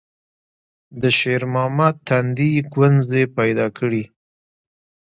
د شېرمحمد تندي ګونځې پيدا کړې.